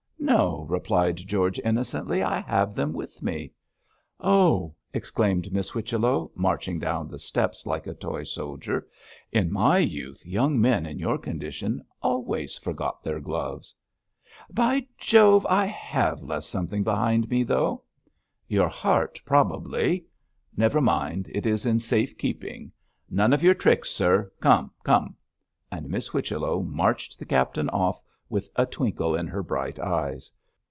'No,' replied George, innocently, 'I have them with me.' 'Oh!' exclaimed Miss Whichello, marching down the steps like a toy soldier, 'in my youth young men in your condition always forgot their gloves.' 'By Jove! I have left something behind me, though.' 'Your heart, probably. Never mind, it is in safe keeping. None of your tricks, sir. Come, come!' and Miss Whichello marched the captain off with a twinkle in her bright eyes.